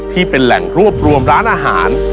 ที่เป็นแหล่งรวบรวมร้านอาหาร